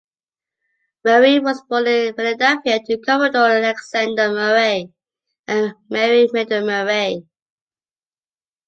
Murray was born in Philadelphia, to Commodore Alexander Murray and Mary Miller Murray.